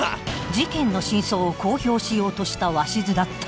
事件の真相を公表しようとした鷲津だったが。